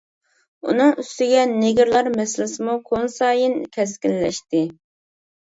ئۇنىڭ ئۈستىگە نېگىرلار مەسىلىسىمۇ كۈنسايىن كەسكىنلەشتى.